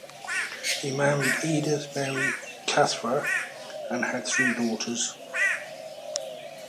He married Edith Mary Cawthra and had three daughters.